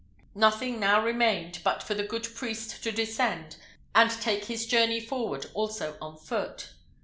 Nothing now remained but for the good priest to descend and take his journey forward also on foot.